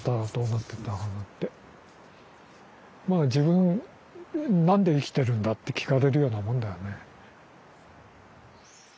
まあ自分何で生きてるんだって聞かれるようなもんだよね。